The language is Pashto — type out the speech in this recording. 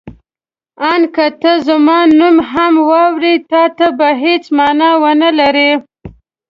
آن که ته زما نوم هم واورې تا ته به هېڅ مانا ونه لري.